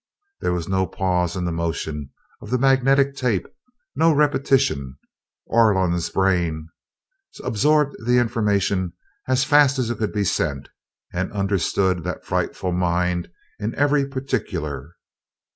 There was no pause in the motion of the magnetic tape, no repetition Orlon's brain absorbed the information as fast as it could be sent, and understood that frightful mind in every particular.